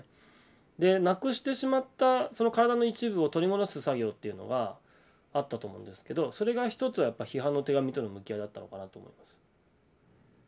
でなくしてしまったその体の一部を取り戻す作業っていうのはあったと思うんですけどそれが一つはやっぱ批判の手紙との向き合いだったのかなと思います。